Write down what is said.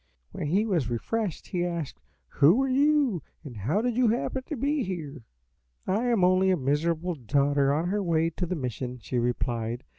When he was refreshed he asked, 'Who are you, and how did you happen to be here?' "'I am only a miserable daughter on her way to the mission,' she replied.